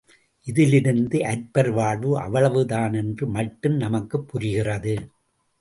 இதிலிருந்து, அற்பர் வாழ்வு அவ்வளவுதான் என்று மட்டும் நமக்குப் புரிகிறது.